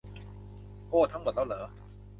โอ้ ทั้งหมดแล้วหรอ